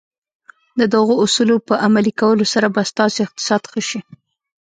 د دغو اصولو په عملي کولو سره به ستاسې اقتصاد ښه شي.